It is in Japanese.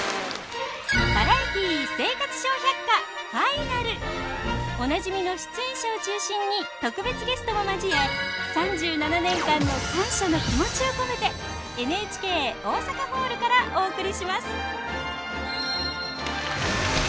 「バラエティー生活笑百科ファイナル」おなじみの出演者を中心に特別ゲストも交え３７年間の感謝の気持ちを込めてＮＨＫ大阪ホールからお送りします